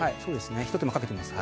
ひと手間かけてます